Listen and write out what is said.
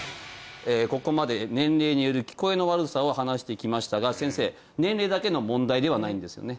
ここまで年齢による聞こえの悪さを話してきましたが先生年齢だけの問題ではないんですよね？